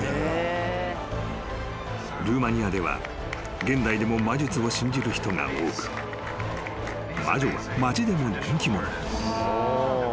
［ルーマニアでは現代でも魔術を信じる人が多く魔女は町でも人気者］